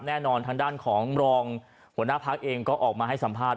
แน่นอนทางด้านของรองหัวหน้าพักเองก็ออกมาให้สัมภาษณ